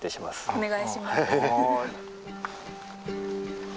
お願いします。